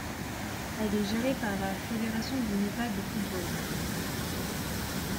Elle est gérée par la Fédération du Népal de football.